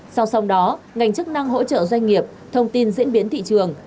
sau song đó ngành chức năng hỗ trợ doanh nghiệp thông tin diễn biến thị trường